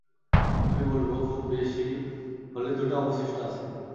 আমি বলবো, খুব বেশি হলে দুটা অবশিষ্ট আছে।